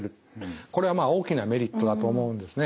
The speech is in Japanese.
これは大きなメリットだと思うんですね。